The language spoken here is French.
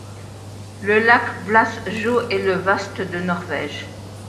Le lac Blåsjø est le vaste de Norvège.